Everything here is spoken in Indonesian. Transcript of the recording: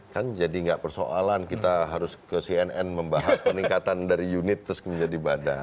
kan jadi nggak persoalan kita harus ke cnn membahas peningkatan dari unit terus menjadi badan